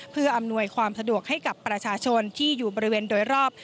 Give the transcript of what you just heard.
เพื่ออำนวยความสะดวกให้กับประชาชนที่อยู่บริเวณโดยรอบ